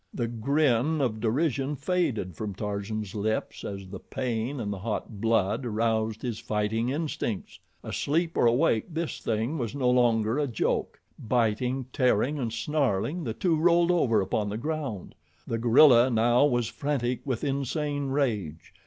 The grin of derision faded from Tarzan's lips as the pain and the hot blood aroused his fighting instincts. Asleep or awake, this thing was no longer a joke! Biting, tearing, and snarling, the two rolled over upon the ground. The gorilla now was frantic with insane rage.